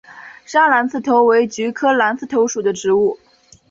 砂蓝刺头为菊科蓝刺头属的植物。